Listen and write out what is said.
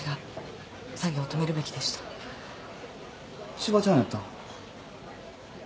千葉ちゃんやったん？